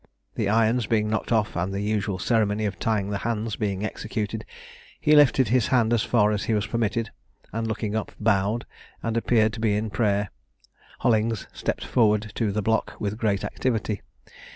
The irons being knocked off and the usual ceremony of tying the hands being executed, he lifted his hand as far as he was permitted, and looking up, bowed, and appeared to be in prayer. Hollings stepped forward to the block with great activity.